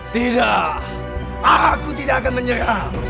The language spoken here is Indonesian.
tidak aku tidak akan menyerang